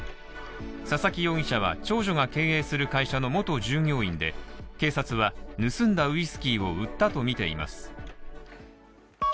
佐々木容疑者は長女が経営する会社の元従業員で警察は盗んだウイスキーを売ったとみています